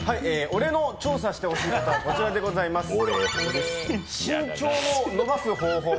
俺の調査してほしいことはこちらでございます。